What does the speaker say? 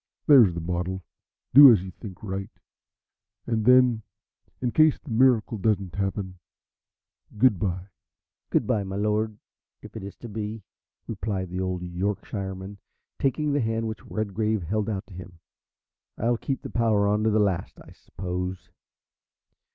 There's the bottle. Do as you think right. And now, in case the miracle doesn't happen, goodbye." "Goodbye, my Lord, if it is to be," replied the old Yorkshireman, taking the hand which Redgrave held out to him. "I'll keep the power on to the last, I suppose?"